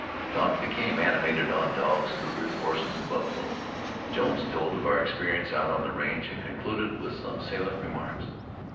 Talk became animated on dogs, cougars, horses and buffalo. Jones told of our experience out on the range, and concluded with some salient remarks.